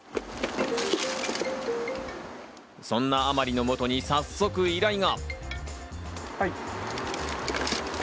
そんな甘利のもとに早速依頼が。